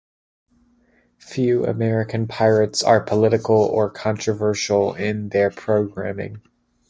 Few American pirates are political or controversial in their programming.